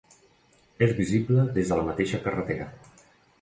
És visible des de la mateixa carretera.